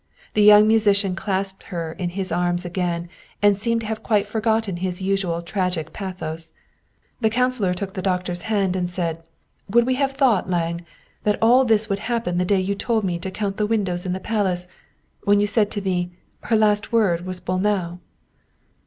The young musician clasped her in his arms again, and seemed to have quite forgotten his usual tragical pathos. The councilor took the doctor's hand and said :" Would we have thought, Lange, that all this would happen the day you told me to count the windows in the Palace when you said to me, ' Her last word was Bolnau'?"